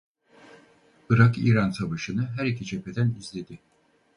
Irak-İran Savaşı'nı her iki cepheden izledi.